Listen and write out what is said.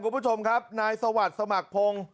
คุณผู้ชมครับนายสวัสดิ์สมัครพงศ์